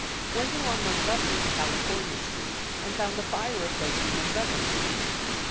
Went along Montgomery to California Street, and found the fire approaching Montgomery Street.